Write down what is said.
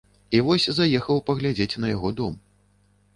І вось заехаў паглядзець на яго дом.